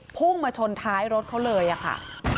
พุ่งมาชนท้ายรถเขาเลยค่ะ